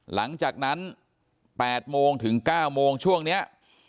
หลังจากนั้น๘โมงถึง๙โมงช่วงนี้